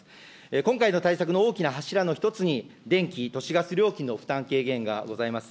今回の対策の大きな柱の一つに、電気・都市ガス料金の負担軽減がございます。